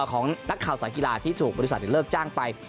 ของนักข่าวสารกีฬาที่ถูกบริษัทเลิกจ้างไป